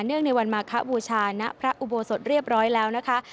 ในวันมาคบูชาณพระอุโบสถเรียบร้อยแล้วนะคะ